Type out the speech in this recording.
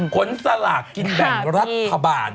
สลากกินแบ่งรัฐบาล